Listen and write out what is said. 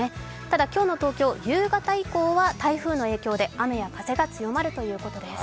ただ今日の東京、夕方以降は、台風の影響で、雨や風が強まるということです。